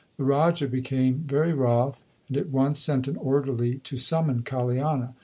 The Raja became very wroth, and at once sent an orderly to summon Kaliana.